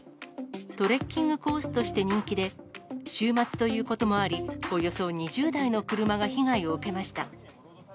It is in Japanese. トレッキングコースとして人気で、週末ということもあり、およそ２０台の車が被害を受けました。